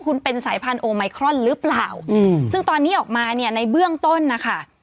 คุณเป็นสายพันธุไมครอนหรือเปล่าอืมซึ่งตอนนี้ออกมาเนี่ยในเบื้องต้นนะคะ